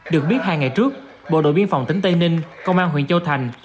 được biết hai ngày trước bộ đội biên phòng tỉnh tây ninh công an huyện châu thành